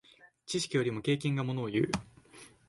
知識よりも経験がものをいう。